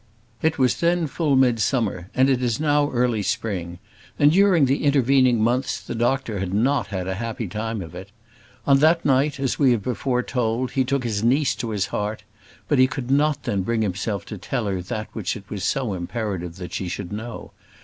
It was then full midsummer, and it is now early spring: and during the intervening months the doctor had not had a happy time of it. On that night, as we have before told, he took his niece to his heart; but he could not then bring himself to tell her that which it was so imperative that she should know.